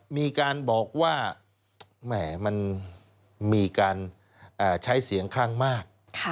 มีการบอกว่าแหม่มันมีการใช้เสียงข้างมาก